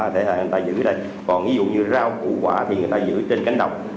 thế là người ta dự trữ tại đây còn ví dụ như rau củ quả thì người ta dự trữ trên cánh đồng